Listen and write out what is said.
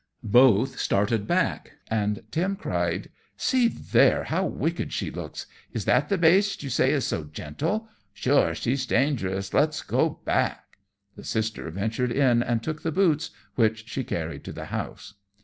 Both started back, and Tim cried, "See there, how wicked she looks! Is that the baste you say is so gentle? Sure she's dangerous, let's go back." The sister ventured in and took the boots, which she carried to the house.